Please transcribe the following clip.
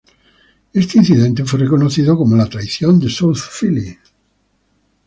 Este incidente fue reconocido como "La traición de South Philly".